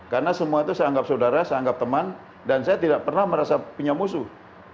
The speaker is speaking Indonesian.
karena semua itu saya anggap saudara saya anggap teman dan saya tidak pernah merasa punya musuh